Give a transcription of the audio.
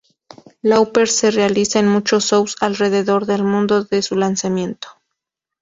Lauper se realiza en muchos shows alrededor del momento de su lanzamiento.